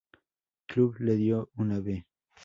Club le dio una "B".